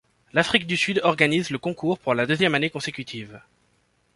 L'Afrique du Sud organise le concours pour la deuxième année consécutive.